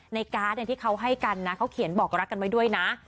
ในการ์ดที่เขาให้กันนะเขาเขียนบอกรักกันไว้ด้วยนะ